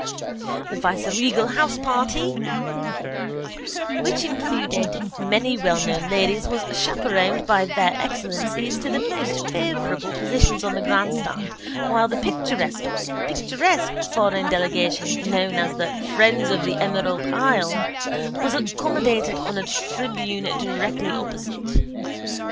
The viceregal houseparty which included many wellknown ladies was chaperoned by Their Excellencies to the most favourable positions on the grandstand while the picturesque foreign delegation known as the Friends of the Emerald Isle was accommodated on a tribune directly opposite.